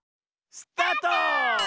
スタート！